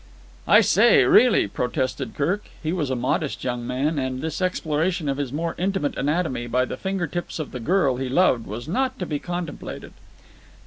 "I say, really!" protested Kirk. He was a modest young man, and this exploration of his more intimate anatomy by the finger tips of the girl he loved was not to be contemplated.